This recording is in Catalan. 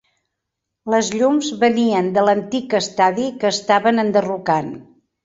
Les llums venien de l'antic estadi, que estaven enderrocant.